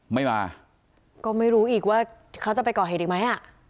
ไม่มาก็ไม่รู้อีกว่าเขาจะไปก่อเหตุอีกไหมอ่ะ